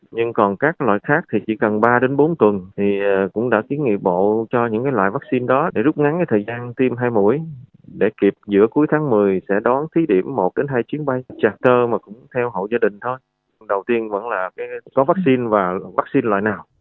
nhưng còn các loại khác thì chỉ cần ba bốn tuần thì cũng đã tiến nghị bộ